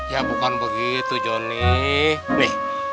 ya bukan begitu joni